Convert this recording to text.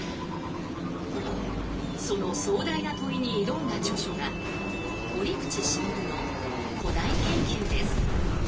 その壮大な問いに挑んだ著書が折口信夫の「古代研究」です。